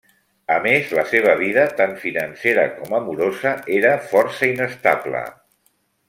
A més, la seva vida, tant financera com amorosa, era força inestable.